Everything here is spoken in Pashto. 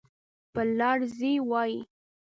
پر لار ځي وایي.